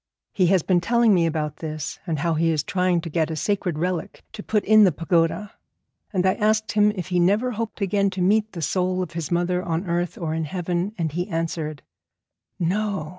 He has been telling me about this, and how he is trying to get a sacred relic to put in the pagoda, and I asked him if he never hoped again to meet the soul of his mother on earth or in heaven, and he answered: 'No.